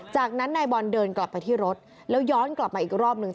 จากนั้นนายบอลเดินกลับไปที่รถแล้วย้อนกลับมาอีกรอบหนึ่ง